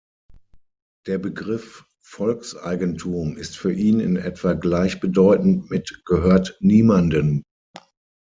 Der Begriff Volkseigentum ist für ihn in etwa gleichbedeutend mit „gehört niemandem“.